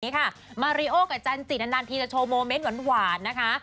นี่ค่ะมาริโอกับจันจินานันทีจะโชว์โมเมนต์หวานนะคะ